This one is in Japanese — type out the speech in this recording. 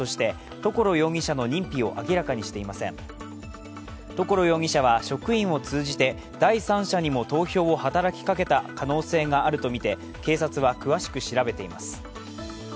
所容疑者は職員を通じて第三者にも投票を働きかけた可能性があるとみて警察は詳しく調べています。